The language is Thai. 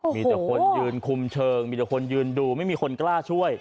มีแต่คนยืนคุมเชิงมีแต่คนยืนดูไม่มีคนกล้าช่วย